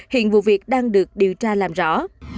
hiện vụ việc đang được điều tra làm rõ